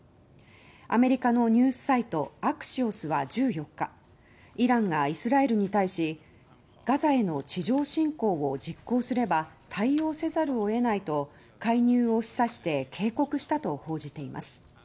アメリカのニュースサイトアクシオスは１４日イランがイスラエルに対しガザへの地上侵攻を実行すれば対応せざるを得ないと介入を示唆して警告したと報じています。